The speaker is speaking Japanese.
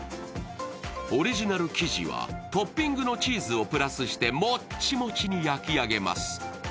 オリジナル生地はトッピングのチーズをプラスしてもっちもちに焼き上げます。